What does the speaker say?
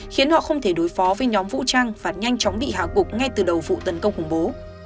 khiến họ không thể đối phó với nhóm vũ trang và nhanh chóng bị hạ cục ngay từ đầu vụ tấn công khủng bố